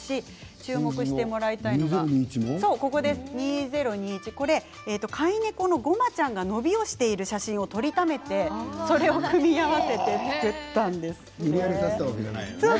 注目してもらいたいのが２０２１、これは飼い猫のごまちゃんが伸びをしている写真を取りためてそれを組み合わせて作ったそうです。